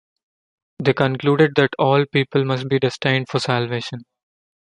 They concluded that all people must be destined for salvation.